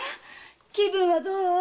気分はどう？